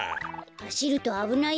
はしるとあぶないよ。